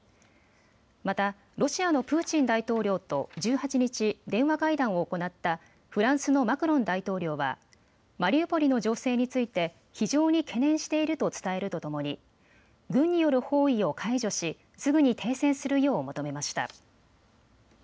また、ロシアのプーチン大統領と１８日、電話会談を行ったフランスのマクロン大統領はマリウポリの情勢について非常に懸念していると伝えるとともに軍による包囲を解除しすぐに停戦するよう求めました。